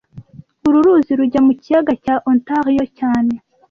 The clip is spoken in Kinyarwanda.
Uru ruzi rujya mu kiyaga cya Ontario cyane